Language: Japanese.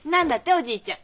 おじいちゃん。